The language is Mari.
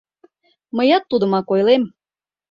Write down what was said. Мыят тудымак ойлем.